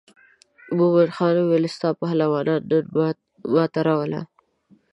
مومن خان وویل ستا پهلوانان نن ما ته راوله.